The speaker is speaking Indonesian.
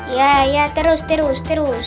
iya terus terus